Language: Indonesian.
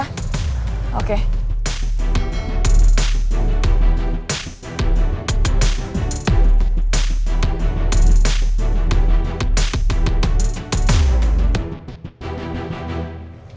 tidak ada apa apa